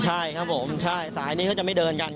ใช่ครับผมใช่สายนี้เขาจะไม่เดินกัน